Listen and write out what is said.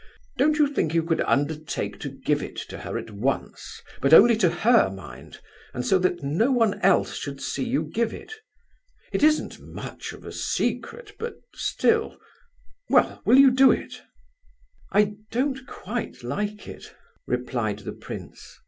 Don't you think you could undertake to give it to her at once, but only to her, mind, and so that no one else should see you give it? It isn't much of a secret, but still—Well, will you do it?" "I don't quite like it," replied the prince.